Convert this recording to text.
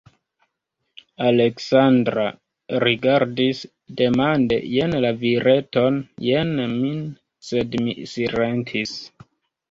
Aleksandra rigardis demande jen la vireton, jen min, sed mi silentis.